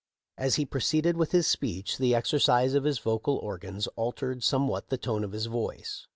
As he proceeded with his speech the exercise of his vocal organs altered somewhat the tone of his voice.